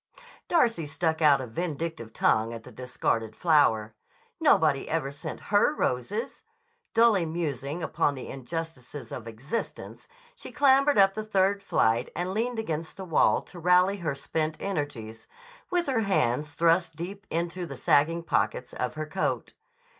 Darcy stuck out a vindictive tongue at the discarded flower. Nobody ever sent her roses! Dully musing upon the injustices of existence, she clambered up the third flight and leaned against the wall to rally her spent energies, with her hands thrust deep into the sagging pockets of her coat.